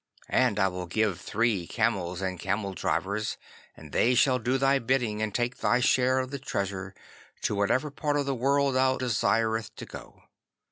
And I will give thee camels and camel drivers, and they shall do thy bidding and take thy share of the treasure to whatever part of the world thou desirest to go.